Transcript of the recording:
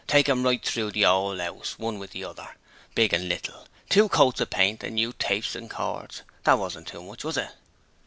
take 'em right through the 'ole 'ouse! one with another big and little. Two coats of paint, and new tapes and cords. That wasn't too much, was it?'